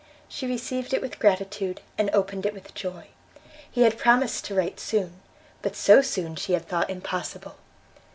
She received it with gratitude and opened it with joy; he had promised to write soon, but so soon she had thought impossible.